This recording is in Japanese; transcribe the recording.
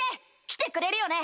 来てくれるよね？